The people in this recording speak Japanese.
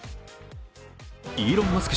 イーロン・マスク